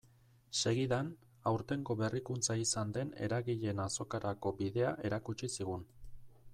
Segidan, aurtengo berrikuntza izan den eragileen azokarako bidea erakutsi zigun.